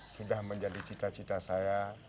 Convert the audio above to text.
sudah menjadi cita cita saya